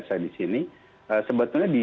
saya di sini sebetulnya di